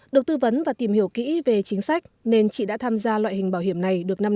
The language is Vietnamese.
được tư vấn và tìm hiểu kỹ về chính sách nên chị đã tham gia loại hình bảo hiểm này được năm năm